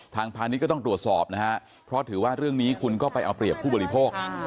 พาณิชย์ก็ต้องตรวจสอบนะฮะเพราะถือว่าเรื่องนี้คุณก็ไปเอาเปรียบผู้บริโภค